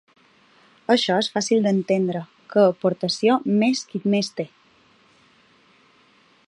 Això és fàcil d’entendre: que aportació més qui més té.